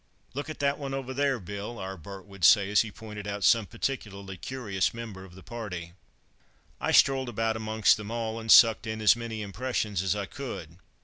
"Look at that one over there, Bill," our Bert would say, as he pointed out some particularly curious member of the party. I strolled about amongst them all, and sucked in as many impressions as I could.